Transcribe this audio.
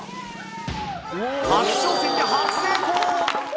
初挑戦で初成功。